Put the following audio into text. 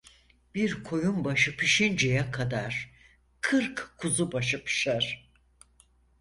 Bir koyun başı pişinceye kadar, kırk kuzu başı pişer.